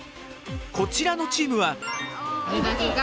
こちらのチームは。